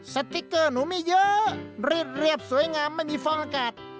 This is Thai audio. สติ๊กเกอร์หนูมีเยอะรีดเรียบสวยงามไม่มีฟองอากาศ